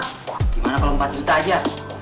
gimana kalau empat juta aja